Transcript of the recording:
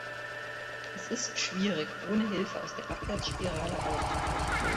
Es ist schwierig, ohne Hilfe aus der Abwärtsspirale auszubrechen.